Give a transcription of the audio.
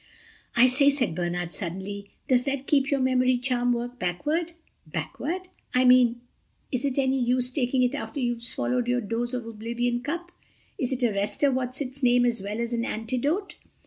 "I say," said Bernard suddenly, "does that Keep your Memory charm work backward?" "Backward?" "I mean—is it any use taking it after you've swallowed your dose of oblivion cup? Is it a rester what's its name as well as an antidote?"